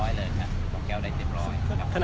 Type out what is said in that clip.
ไม่ใช่นี่คือบ้านของคนที่เคยดื่มอยู่หรือเปล่า